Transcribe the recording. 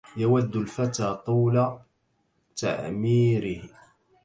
يود الفتى طول تعميره